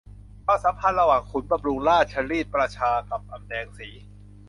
ความสัมพันธ์ระหว่างขุนบำรุงราชรีดประชากับอำแดงสี